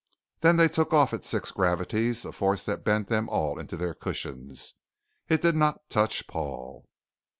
Then they took off at six gravities, a force that bent them all into their cushions. It did not touch Paul.